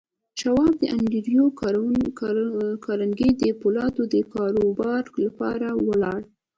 شواب د انډریو کارنګي د پولادو د کاروبار لپاره ولاړ